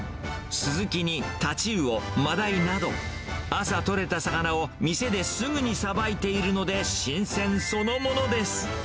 すずきにたちうお、まだいなど、朝取れた魚を店ですぐにさばいているので、新鮮そのものです。